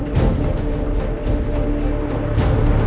aku rasa ada yang dia sembunyi nih dari aku